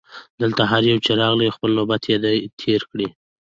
دلته هر یو چي راغلی خپل نوبت یې دی تېر کړی